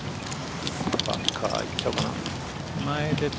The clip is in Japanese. バンカーいっちゃうかな。